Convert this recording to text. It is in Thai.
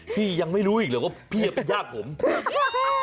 พี่ยังไม่รู้อีกเหรอว่าพี่เป็นญาติผม